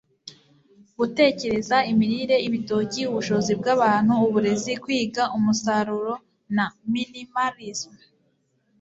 gutekereza, imirire, ibitoki, ubushobozi bwabantu, uburezi, kwiga, umusaruro na minimalism.